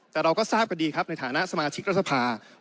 แต่เราก็ทราบกันดีครับในฐานะสมาชิกรัฐสภา